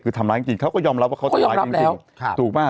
คือทำร้ายจริงจริงเขาก็ยอมรับว่าเขาตายจริงจริงค่ะก็ยอมรับแล้วถูกมาก